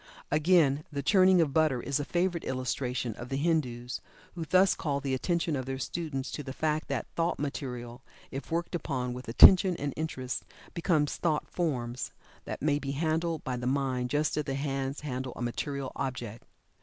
Again, the churning of butter is a favorite illustration of the Hindus, who thus call the attention of their students to the fact that thought material if worked upon with attention and interest become "thought forms" that may be handled by the mind just as the hands handle a material object.